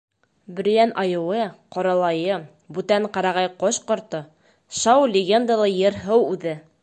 Бөрйән айыуы, ҡоралайы, бүтән ҡырағай ҡош-ҡорто, шау легендалы ер-һыу үҙе!